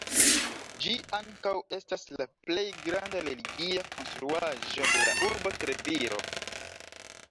Ĝi ankaŭ estas la plej granda religia konstruaĵo de la urbo Treviro.